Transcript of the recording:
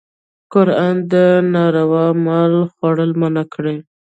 قرآن د ناروا مال خوړل منع کړي.